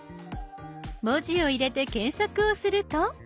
文字を入れて検索をすると。